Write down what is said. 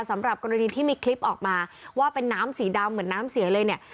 สำหรับกรณีที่มีคลิปออกมาว่าเป็นน้ำสีดำเหมือนน้ำเสียเลยเนี่ย